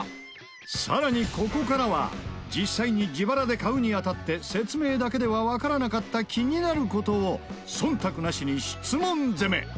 さらに、ここからは実際に自腹で買うにあたって説明だけではわからなかった気になる事を忖度なしに質問攻め！